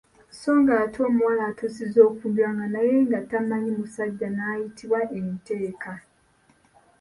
Sso ng’ate omuwala atuusizza okufumbirwa nga naye nga tamanyi musajja n’ayitibwa enteeka.